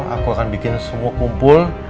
aku akan bikin semua kumpul